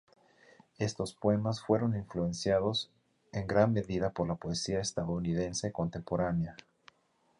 Estos poemas fueron influenciados en gran medida por la poesía estadounidense contemporánea.